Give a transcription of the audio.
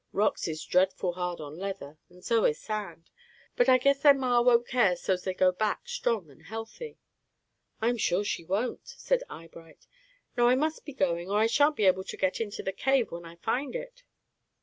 Rocks is dreadful hard on leather, and so is sand. But I guess their Ma wont care so's they go back strong and healthy." "I'm sure she won't," said Eyebright. "Now I must be going, or I shan't be able to get into the cave when I find it."